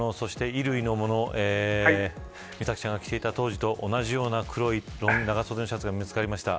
衣類のもの美咲さんが着ていた当時と同じような黒い長袖のシャツが見つかりました。